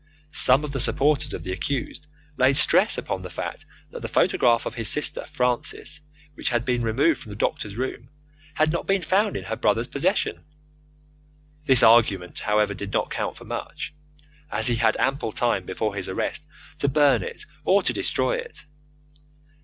Some of the supporters of the accused laid stress upon the fact that the photograph of his sister Frances, which had been removed from the doctor's room, had not been found in her brother's possession. This argument, however, did not count for much, as he had ample time before his arrest to burn it or to destroy it.